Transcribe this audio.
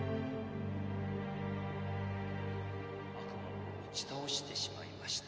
「悪魔を打ち倒してしまいました」